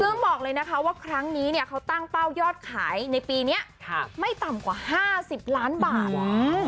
ซึ่งบอกเลยนะคะว่าครั้งนี้เนี่ยเขาตั้งเป้ายอดขายในปีนี้ไม่ต่ำกว่า๕๐ล้านบาท